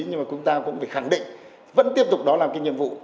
nhưng mà chúng ta cũng phải khẳng định vẫn tiếp tục đó là cái nhiệm vụ